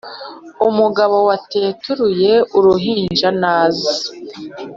umugabo wateturuye uruhinja naze